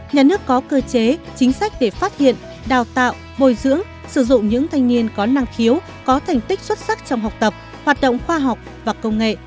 một nhà nước có cơ chế chính sách để phát hiện đào tạo bồi dưỡng sử dụng những thanh niên có năng khiếu có thành tích xuất sắc trong học tập hoạt động khoa học và công nghệ